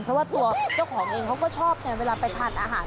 เพราะว่าตัวเจ้าของเองเขาก็ชอบไงเวลาไปทานอาหาร